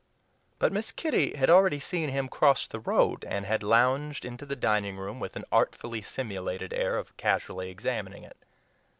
But Miss Kitty had already seen him cross the road, and had lounged into the dining room with an artfully simulated air of casually examining it.